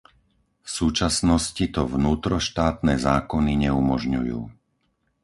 V súčasnosti to vnútroštátne zákony neumožňujú.